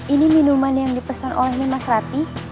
ini minuman yang dipesan oleh mas rati